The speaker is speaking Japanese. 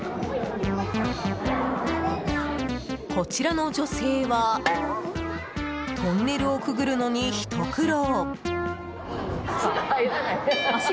こちらの女性はトンネルをくぐるのにひと苦労。